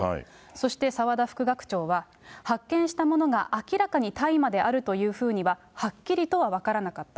そして、澤田副学長は、発見したものが明らかに大麻であるというふうには、はっきりとは分からなかった。